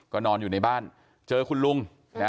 ก็นอนอยู่ในบ้านเจอคุณลุง